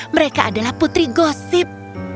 mereka adalah putri gosip